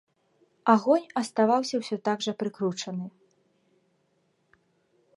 Агонь аставаўся ўсё так жа прыкручаны.